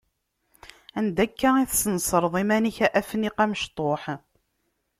Anda akka tesnesreḍ iman-ik a Afniq amecṭuḥ?